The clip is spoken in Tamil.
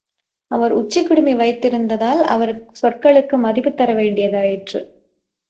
அவர் உச்சிக் குடுமி வைத்திருந்ததால் அவர் சொற்களுக்கு மதிப்புத் தர வேண்டியது ஆயிற்று.